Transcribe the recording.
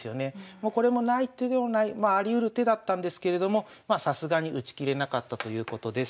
もうこれもない手でもないまあありうる手だったんですけれどもまあさすがに打ちきれなかったということです。